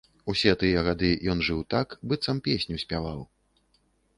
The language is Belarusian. Усе тыя гады ён жыў так, быццам песню спяваў.